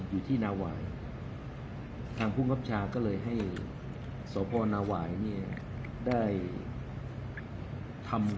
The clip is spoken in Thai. อยู่ที่นาวายทางภูมิครับชาก็เลยให้สพนาหวายเนี่ยได้ทำ